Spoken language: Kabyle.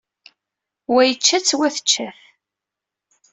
Wa yečča-tt, wa tečča-t.